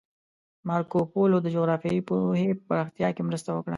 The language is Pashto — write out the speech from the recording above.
مارکوپولو د جغرافیایي پوهې په پراختیا کې مرسته وکړه.